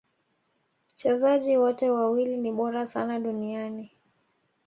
Wachezaji wote wawili ni bora sana duniani